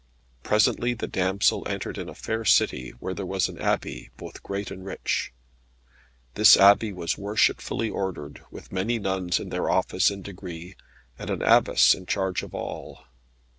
Presently the damsel entered in a fair city, where was an Abbey, both great and rich. This Abbey was worshipfully ordered, with many nuns in their office and degree, and an Abbess in charge of all.